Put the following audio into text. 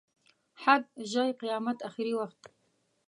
حد، ژۍ، قیامت، اخري وخت.